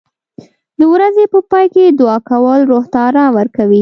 د ورځې په پای کې دعا کول روح ته آرام ورکوي.